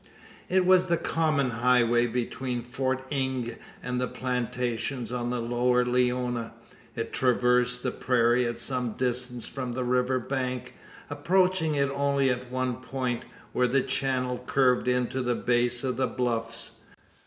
It was the common highway between Fort Inge and the plantations on the lower Leona. It traversed the prairie at some distance from the river bank; approaching it only at one point, where the channel curved in to the base of the bluffs.